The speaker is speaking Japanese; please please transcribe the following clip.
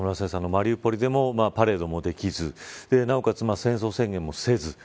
マリウポリでもパレードできずなおかつ、戦争宣言もせず。